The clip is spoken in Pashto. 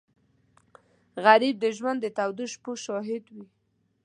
غریب د ژوند د تودو شپو شاهد وي